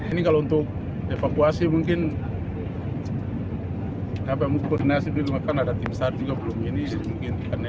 ini kalau untuk evakuasi mungkin apa koordinasi karena ada tim sar juga belum ini